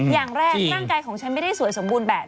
อย่างแรกร่างกายของฉันไม่ได้สวยสมบูรณ์แบบ